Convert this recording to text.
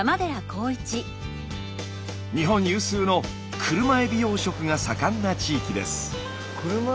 日本有数のクルマエビ養殖が盛んな地域です。